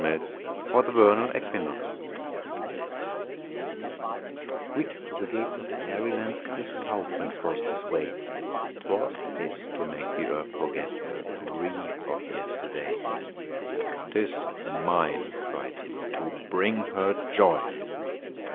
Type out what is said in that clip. OUT OF DOORS Early Spring Quick through the gates of Fairyland The South Wind forced his way. 'Twas his to make the Earth forget Her grief of yesterday. "'Tis mine," cried he, "to bring her joy!"